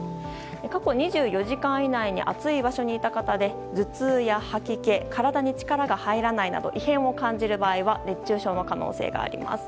過去２４時間以内に暑い場所にいた方で頭痛や吐き気体に力が入らないなどの異変を感じる場合は熱中症の可能性があります。